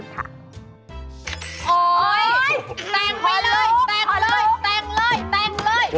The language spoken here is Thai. ขอบคุณค่ะ